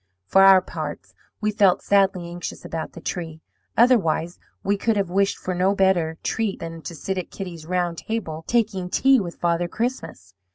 "For our parts, we felt sadly anxious about the tree; otherwise we could have wished for no better treat than to sit at Kitty's round table taking tea with Father Christmas.